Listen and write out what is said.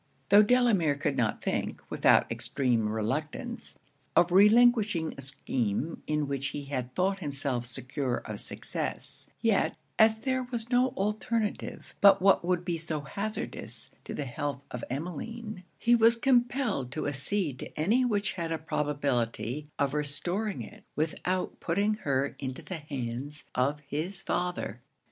Tho' Delamere could not think, without extreme reluctance, of relinquishing a scheme in which he had thought himself secure of success; yet, as there was no alternative but what would be so hazardous to the health of Emmeline, he was compelled to accede to any which had a probability of restoring it without putting her into the hands of his father.